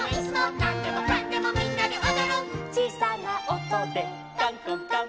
「なんでもかんでもみんなでおどる」「ちいさなおとでかんこんかん」